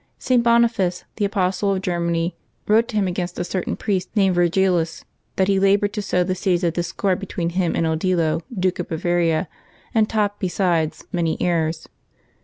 St. Boniface, the Apostle of Germany, wrote to him against a certain priest named Yirgilius, that he labored to sow the seeds of dis cord between him and Odilo, Duke of Bavaria, and taught, besides, many errors.